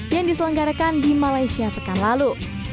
yang diselenggarakan di malaysia pekan lalu